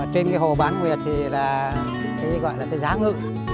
trên cái hồ bán nguyệt thì là cái gọi là cái giá ngự